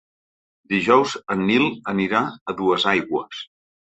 Dijous en Nil anirà a Duesaigües.